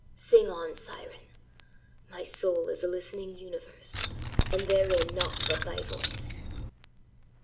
Sing on, siren; my soul is a listening universe, and therein nought but thy voice!"